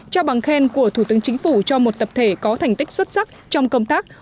trao bằng khen của thủ tướng chính phủ cho một tập thể có thành tích xuất sắc trong công tác